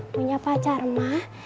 punya pacar mah